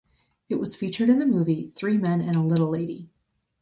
It was featured in the movie "Three Men and a Little Lady".